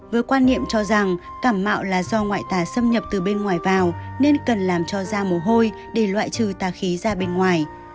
với quan niệm cho rằng thảm mạo là do ngoại tả xâm nhập từ bên ngoài vào nên cần làm cho da mồ hôi để loại trừ tà khí ra bên ngoài